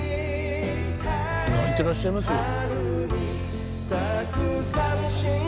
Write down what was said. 泣いてらっしゃいますよ。